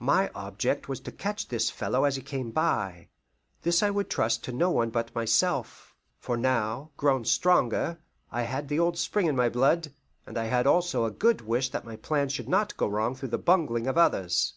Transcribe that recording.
My object was to catch this fellow as he came by. This I would trust to no one but myself; for now, grown stronger, I had the old spring in my blood, and I had also a good wish that my plans should not go wrong through the bungling of others.